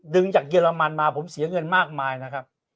ดึงจากเยอรมันมาผมเสียเงินมากมายนะครับ